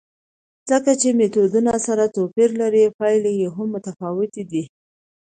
ځکه چې میتودونه سره توپیر لري، پایلې هم متفاوتې دي.